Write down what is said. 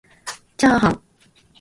ちゃーはん